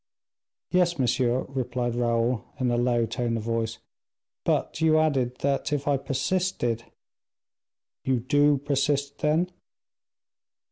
"Yes, monsieur," replied Raoul, in a low tone of voice; "but you added, that if I persisted " "You do persist, then?"